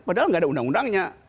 padahal nggak ada undang undangnya